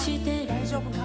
大丈夫か？